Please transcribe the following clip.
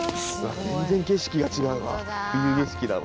全然景色が違うわ。